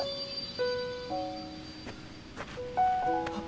あっ！